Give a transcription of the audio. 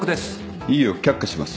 異議を却下します。